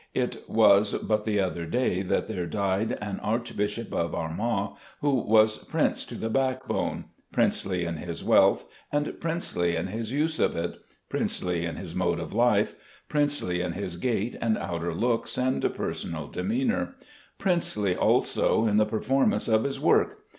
It was but the other day that there died an Archbishop of Armagh who was prince to the backbone, princely in his wealth and princely in his use of it, princely in his mode of life, princely in his gait and outer looks and personal demeanour, princely also in the performance of his work.